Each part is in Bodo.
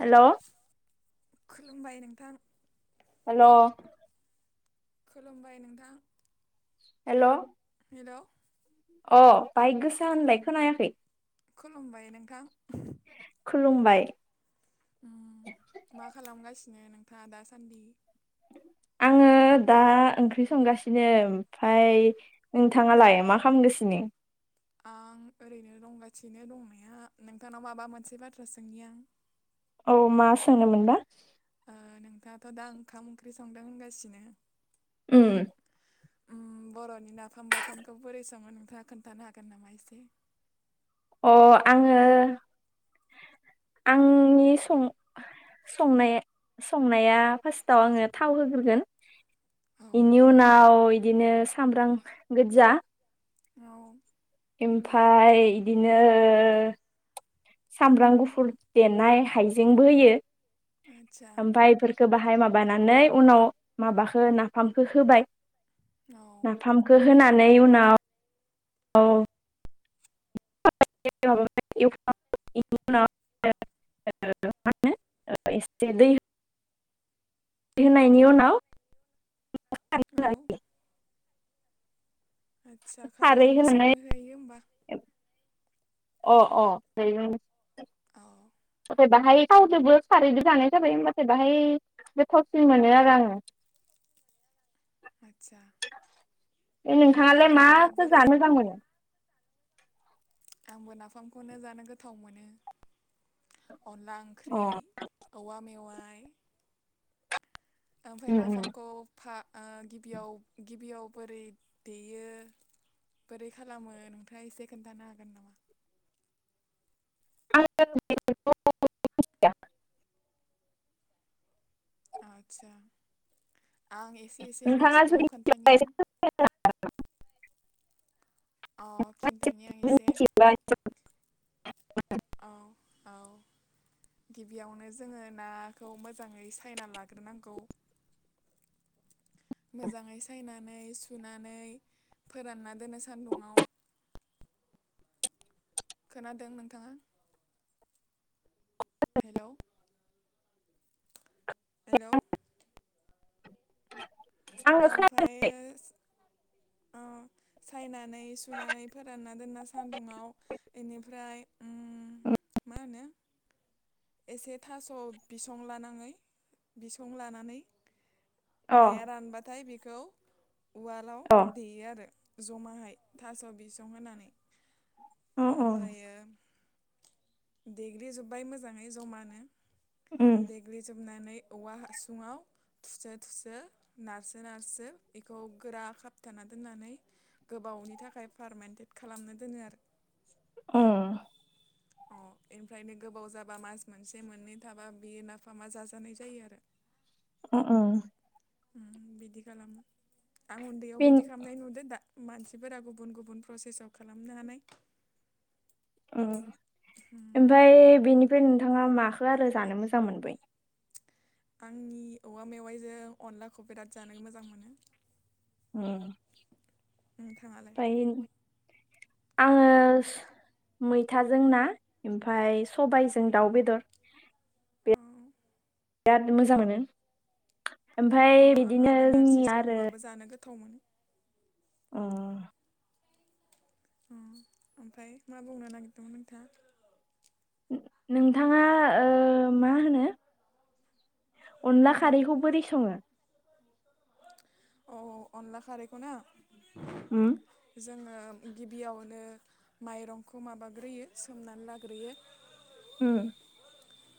हेल' खुलुमबाय नोंथां। हेल'? खुलुमबाय नोंथां। हेल'? हेल'? अह, बाय गोसा होनलाय खोनायाखै। खुलुमबाय नोंथां। खुलुमबाय। मा खालामगासिनो नोंथाङा दासान्दि? ओ दा ओंख्रि संगासिनो। ओमफाय नोंथाङालाय मा खामगासिनो? [inaudible] आं ओरैनो दंगासिनो दंनाया, नोंथांनाव माबा मोनसे बाथ्रा सोंनि आं। औ मा सोंनोमोनबा? ओ नोंथाङा दा ओंखाम ओंख्रि संदों होनगासिनो। उम। ओम बर'नि नाफाम बाथोनखौ बोरै सङो नोंथाङा खोन्थानो हागोन नामा एस? अह आंङो आंनि सं संनाय संनाया फास्टाव आंङो थाव होग्रोगोन। औ इनि उनाव इदिनो सामब्रां गोज्जा। औ। ओमफाय इदिनो सामब्राम गुफुर देनाय हाइजेंबो होयो, आदसा ओमफाय इफोर खो बाहाय माबानानै उनाव माबाखो नाफामखो होबाय। औ नाफामखो होनानै उनाव औ। [unintelligible] ओ इसे दै होनायनि उनाव औ आदसा खारै खारैजोंबो होनानै संनो हायो होमबा अ अ [unintelligible] औ बाहाय थावजोंबो खारैजों जानाय जाबाय ओमबाथाय बाहाय गोथावसिन मोनो आरो आंङो [unintelligible] आदसा ए नोंथाङालाय ओमफ्रायो माखो बोरै जानोखो मोनो? आंबो नाफामखौनो जानो गोथाव मोनो अनला अ ओंख्रि औवा मेवा ओमफ्राय उम उम नाफामखौ फा ओ गिबियाव गिबियाव बोरै देयो बोरै खालामो नोंथाङा एसे खोन्थानो हागोन नामा? [unintelligible] आदसा आं एसे एसे नोंथाङा मिथिगौ जुदि मिथियोबा खोन्थानि एसे आं अ खिन्थानि आं एसे [unintelligible] औ औ गिबियावनो जोङो नाखौ मोजाङै सायना लाग्रोनांगौ मोजाङै सायनानै सुनानै फोरानना दोननो सान्दुंआव [unintelligible] खोनादों नोंथाङा? हेलौ हेलौ आङो खोना ओमफ्राय ओ चाइना नै सुनानै फोरानना दोनना सान्दुुंआव बेनिफ्राय ओम मा होनो एसे थास' बिसं लानाङै बिसं लानानै अ नाया रानबाथाय बेखौ उवालाव अ देयो आरो जमाहाय थास' बिसं होनानै अ ओमफ्रायो देग्लि जोब्बाय मोजाङै जमानो उम देग्लिजोबनानै औवा हासुङाव थुसो थुसो नारसो नारसो बेखौ गोरा खाबथाना दोननानै गोबावनि थाखाय फारमानटेट खालामनो दोनो आरो। अ अ इनिफ्रायनो गोबाव जाबा मास मोनसे मोननै थाबा बेयो नाफामा जाजानाय जायो आरो। उम उम उम बिदि खालामो आं उन्दैयाव बेनि बिदि खालामनाय नुदो दा मानसिफोरा गुबुन गुबुन प्रसेसाव खालामनो हानाय ओ ओमफ्राय बेनिफ्राय नोंथाङा माखो आरो जानो मोजां मोनबाय? आंनि औवा मेवाइजों अनलाखौ बिराद जानो मोजां मोनो। उम नोंथाङालाय ओमफाय आङो स मैथाजों ना ओमफाय अ सबायजों दाउ बेदर बिराद मोजां मोनो ओमफाय आं बिदिनो आरो जोंनि नारजिजों आरो अमाबो जानो गोथाव मोनो। उम उम ओमफ्राय मा बुंनो नागिरदों नोंथा? नोंथाङा ओ मा होनो अनला खारैखौ बोरै सङो? औ अनला खारैखौ ना उम जोङो गिबियावनो माइरंखौ माबाग्रोयो सोमनानै लाग्रोयो। उम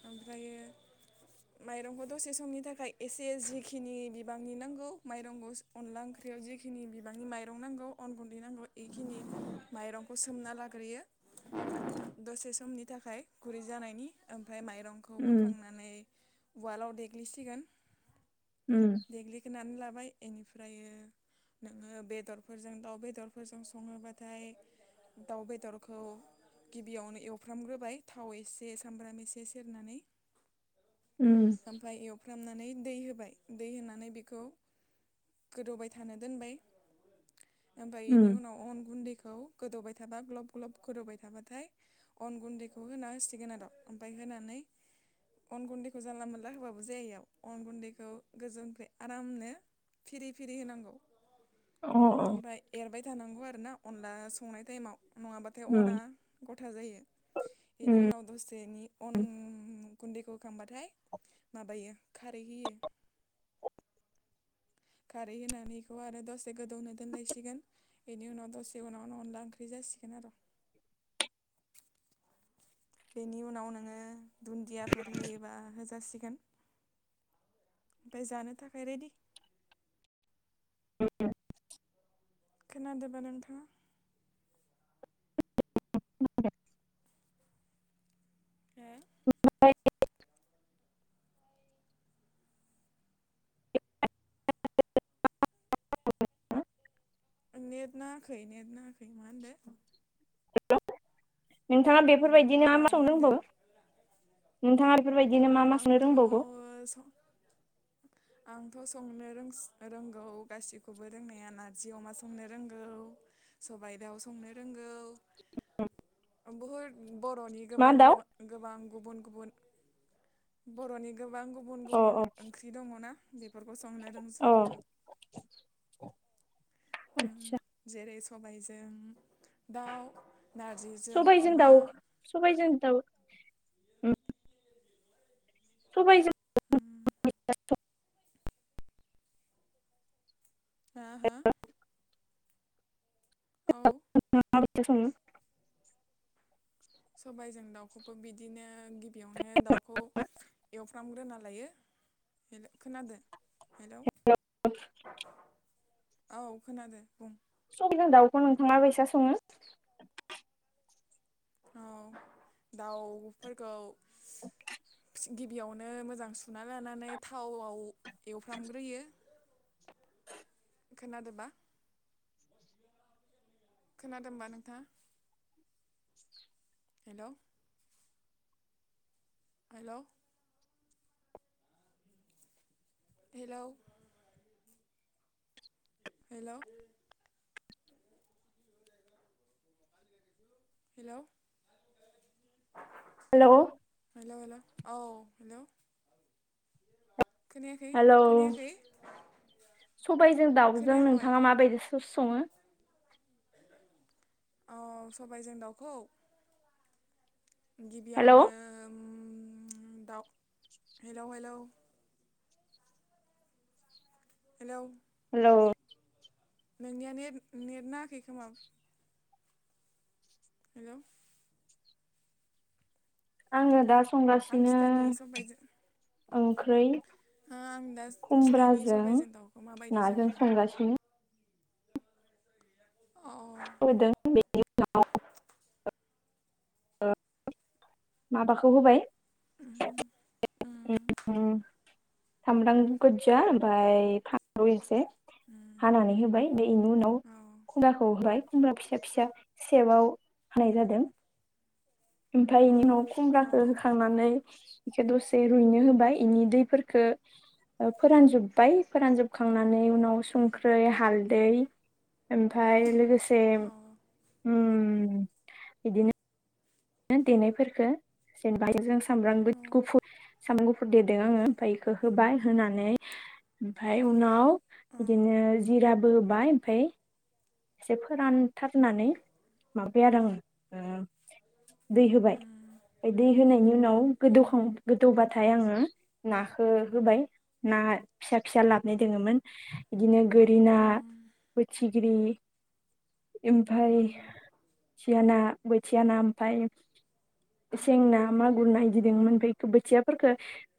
ओमफ्रायो माइरंखौ दसे समनि थाखाय एसे जिखिनि बिबांनि नांगौ माइरंखौ अनला ओंख्रि बेयाव जिखिनि बिबांनि माइरं नांगौ अन गुन्दै नांगौ बेखिनि माइरंखौ सोमना लाग्रोयो। दसे समनि थाखाय गुरै जानायनि ओम फाय माइरंखौ उम बोखांनानै उवालाव देग्लिसिगोन उम देग्लिखोनानै लाबाय इनिफ्रायो नोङो बेदरफोरजों दाउ बेदरफोरजों सङोबाथाय दाउ बेदरखौ गिबियावनो एवफ्रामग्रोबाय थाव एसे सामब्राम एसे सेरनानै उम ओमफ्राय एवफ्रामना नै दै होबाय दै होनानैखौ गोदौबाय थानो दोनबाय ओमफाय उम बेनि उनाव अन गुन्दैखौ गोदौबाय थाबा ग्लब ग्लब गोदौबाय थाबाथाय अन गुन्दैखौ होना होसिगोन आरो ओमफाय होनानै अन गुन्दैखौ जानला मोनला होबाबो जाययाव अन गुन्दैखौ गोजौनिफ्राय आरामनो फिरि फिरि होनांगौ अ अ ओमफाय एरबाय थानांगौ आरो ना अनला संनाय टाइमाव नङाबाथाय अना उम गथा जायो बेनि उम उनाव दसेनि अन [inaudible] गुन्दैखौ खांबाथाय माबायो खारै होयो। खारै होनानै बेखौ आरो दसे गोदौनो दोनलायसिगोन बेनि उनाव दसे उनावनो अनला ओंख्रि जायो। होसिगोन आरो बेनि उनाव नोङो दुन्दियाफोर होयोबा होजासिगोन फाय जानो थाखायाय रेडि खोनादों बा नोंथाङा हो [inaudible] नेट नाङाखै नेट नाङाखै मा होनदों नोंथाङा हेल' बेफोरबायदिनो अ मा मा संनो होनदो रोंबावो? बेफोरबायदिनो मा मा संनो आंथ' रोंबावगौ? आंथ' संनो रोंस-रोंगौ गासिखौबो रोंनाया नारजि अमा संनो रोंगौ सबाइ दाउ संनो रोंगौ बुहुद बर'नि मा गोबां दाउ गोबां गोबां गुबुन गुबुन बर'नि गोबां गुबुन अ गुबुन ओंख्रि दङना बेफोरखौ संनो अ रोंजोबगौ आं उम आथसा जेरै सबायजों दाउ नारजिजों सबायजों अमा दाउ सबायजों दाउ उम सबायजों उम हा हा औ जों सङो सबायजों दाउखौबो बिदिनो गिबियावनो दाउखौ एव खालामग्रोना लायो खोनादों हेलौ औ खोनादों बुं सबायजों दाउखौ नोंथाङा माबायसा सङो? औ दाउफोरखौ गिबियावनो मोजां सुना लानानै थावआव एवफ्रामग्रोयो। खोनादो ना? खोनादोंबा नोंथाङा? Hello. Hello. Hello. Hello. Hello. Hello. Hello hello औ हेलौ। खोनायाखै हेलौ खोनायाखै सबायजों दाउजों खोनायाखै नोंथाङा माबायदि सङो औ सबायजों दाउखौ हेलौ गिबियावनो उम्म दाउ हेलौ हेलौ। हेलौ। हेलौ। नोंनिया नेट नेट नाङाखै खोमा। हेलौ। आंङो दा आं संगासिनो। खिथानि सबायजों ओंख्रै आं दा खिथानि खुमब्राजों सबायजों दाउखौ माबायदि नाजों सङो? संगासिनो औ। [inaudible] माबाखौ होबाय। उम उम सामब्राम गोजा ओमफ्राय फानलु एसे उम हानानै होबाय बे इनि उनाव औ खुमब्राखौ होबाय। खुमब्रा फिसा फिसा सेबाव हानाय जादों। ओमफ्राय अ इनि उनाव अ खमब्राखौ होखांनानै इखो एसे दसे रुइनो होबाय इनि दैफोरखो ओ फोरानजोब्बाय फोरानजोबखांनानै उनाव संख्रै हालदै ओमफ्राय लोगोसे अ उम्म बिदिनो देनायफोरखौ जेनेबा जों सामब्राम औ गुफुर सामब्राम गुफुर देदों आंङो ओमफ्राय बेखौ होबाय होनानै ओमफ्राय उनाव अ बिदिनो जिराबो होबाय ओमफ्राय एसे फोरानथारनानै माबाय आरो आंङो ओ दै होबाय। दै होनायनि उनाव गोदौखां गोदौबाथाय आंङो नाखौ होबाय ना फिसा फिसा लाबनाय दोङोमोन इदिनो गोरिना उम बोथिख्रि ओमफाय थिया ना बोथिया ना ओमफाय [inaudible] सेंना, मागुर ना इदिदोंमोन ओमफाय इखो बोथियाफोरखो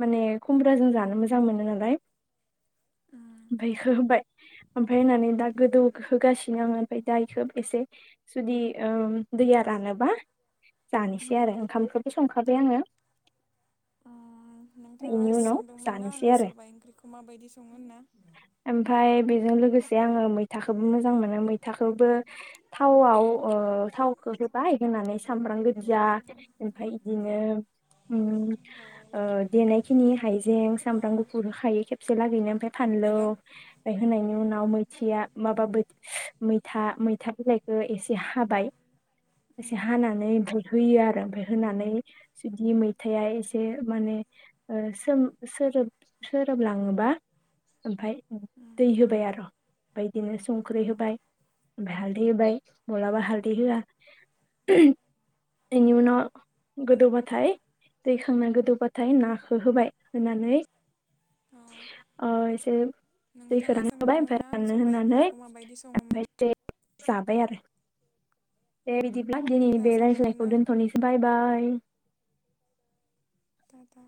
माने खुमब्राजों जानो मोजां मोनो। नालाय [inaudible] ओमफाय इखो होबाय ओमफाय होननानै दा गोदौ होगासि नो ओमफाय दा इखो एसे जुदि ओम दैया रानोबा जानोसै आरो ओंखामखोबो संखाबाय आंङो। अ। नोंथाङा सोंदोंमोन ना जानोसै आंङो आरो सबाय ओंख्रिखो माबायदि सङो होनना? ओमफाय बेजों लोगोसे आंङो मैथाखोबो मोजां मोनो मैथाखोबो थावआव ओ थावखो होबाय होनानै सामब्रां गोद जा ओमफाय इदिनो ओम ओ देनायखिनि हाइजें सामब्राम गुफुर होखायो खेबसे लागैनो ओमफाय फानलौ हेलौ ओमफाय होनायनि उनाव मैथिया माबा बोथ [unintelligible] मैथा मैथा बिलाइखो एसे हाबाय एसे हानानै ओमफाय होयो आरो ओमफाय होनानै जुदि मैथाया एसे माने ओ सोम सो सोरोब सोरोब लांओबा ओमफाय उम दै होबाय आर' ओमफाय इदिनो संख्रि होब ओमफाय हालदै होबाय मलाबा हालदै होआ [unintelligible] इनि उनाव अ गोदौबाथाय दैखांना गोदौबाथाय नाखो होबाय होनानै अ ओ एसे दैखो नोंथाङा रानहोबाय सोंदोंमोन ओमफ्राय ना आं राननो सबाइ होननानै ओंख्रिखौ माबायदि सङोमोन ओमफ्रायसे जाबाय आरो दे बिदिब्ला दिनैनि नोंथाङा बे सोंदोंमोन रायज्लायखौ ना दोन्थ'निसै बाय बाय। टा टा